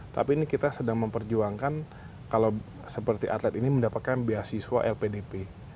tapi ini kita sedang memperjuangkan kalau seperti atlet ini mendapatkan beasiswa lpdp